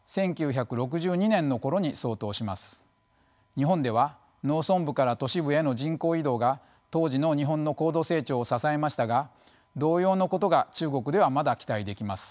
日本では農村部から都市部への人口移動が当時の日本の高度成長を支えましたが同様のことが中国ではまだ期待できます。